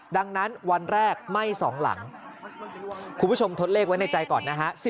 ดังนั้นวันแรกไหม้๒หลังคุณผู้ชมทดเลขไว้ในใจก่อนนะฮะ